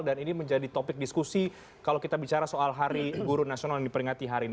dan ini menjadi topik diskusi kalau kita bicara soal hari guru nasional yang diperingati hari ini